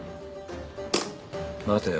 待てよ。